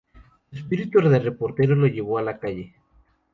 Su espíritu de reportero lo llevó a la calle.